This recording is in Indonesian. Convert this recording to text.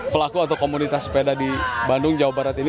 pelaku atau komunitas sepeda di bandung jawa barat ini